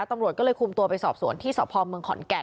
ตำรวจก็เลยคุมตัวไปสอบสวนที่สพเมืองขอนแก่น